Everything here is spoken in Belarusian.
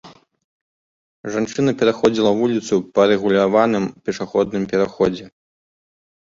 Жанчына пераходзіла вуліцу па рэгуляваным пешаходным пераходзе.